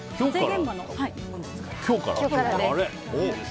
今日からです。